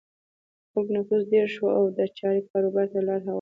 د خلکو نفوس ډېر شو او دا چارې کاروبار ته لاره هواره کړه.